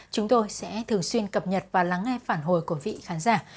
chúng tôi sẽ thường xuyên cập nhật và lắng nghe phản hồi của vị khán giả